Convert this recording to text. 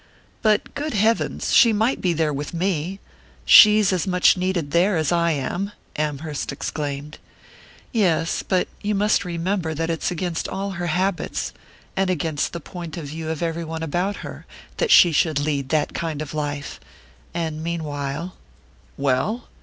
"But, good heavens, she might be there with me she's as much needed there as I am!" Amherst exclaimed. "Yes; but you must remember that it's against all her habits and against the point of view of every one about her that she should lead that kind of life; and meanwhile " "Well?"